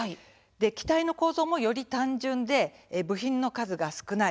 機体の構造もより単純で部品の数が少ない。